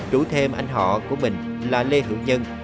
chủ thêm anh họ của mình là lê hữu nhân